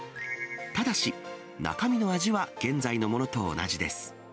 ただし、中身の味は現在のものと同じです。